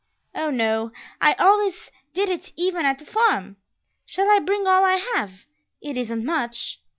"Oh, no; I always did it even at the farm. Shall I bring all I have? It isn't much."